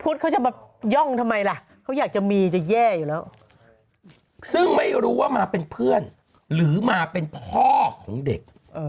เขาจะมาย่องทำไมล่ะเขาอยากจะมีจะแย่อยู่แล้วซึ่งไม่รู้ว่ามาเป็นเพื่อนหรือมาเป็นพ่อของเด็ก